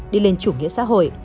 đi lên chủ nghĩa xã hội